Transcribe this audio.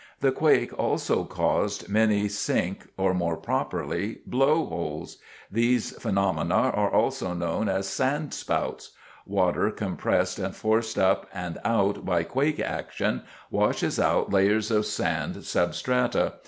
The quake also caused many sink, or more properly, blow holes. These phenomena are also known as sandspouts. Water, compressed and forced up and out by quake action washes out layers of sand sub strata.